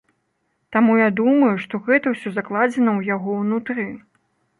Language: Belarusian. Таму я думаю, што гэта ўсё закладзена ў яго ўнутры.